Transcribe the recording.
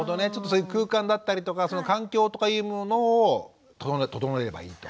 そういう空間だったりとか環境とかいうものを整えればいいと。